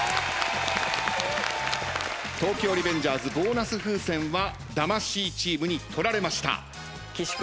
東京リベンジャーズボーナス風船は魂チームに取られました。